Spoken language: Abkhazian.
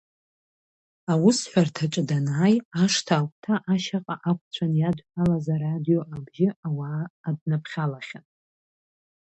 Аусҳәарҭаҿы данааи, ашҭа агәҭа ашьаҟа ақәцәан иадҳәалаз арадио абжьы ауаа аднаԥхьалахьан.